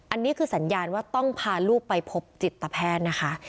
อันนี้คือสัญญาณว่าต้องพาลูกไปพบจิตแพทย์นะคะ